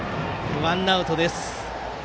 ワンアウトです。